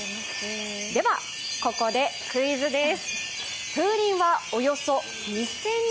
ではここでクイズです。